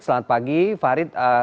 selamat pagi farid